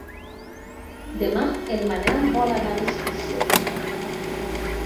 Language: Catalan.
Demà en Manel vol anar d'excursió.